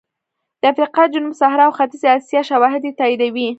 د افریقا جنوب صحرا او ختیځې اسیا شواهد یې تاییدوي